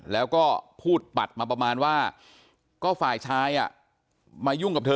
แล้วก็พูดปัดมาประมาณว่าก็ฝ่ายชายมายุ่งกับเธอ